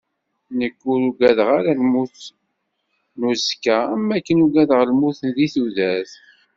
Nekk ur uggadeɣ ara lmut n uẓekka am wakken uggadeɣ lmut di tudert.